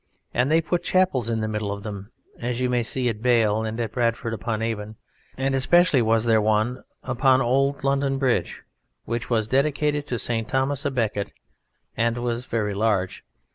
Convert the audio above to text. And they put chapels in the middle of them, as you may see at Bale, and at Bradford upon Avon, and especially was there one upon old London Bridge, which was dedicated to St. Thomas a Becket, and was very large.